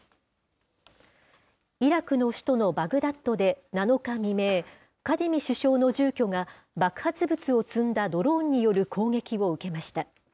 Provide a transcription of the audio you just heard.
イラクの首都のバグダッドで７日未明、カディミ首相の住居が爆発物を積んだドローンによる攻撃を受けました。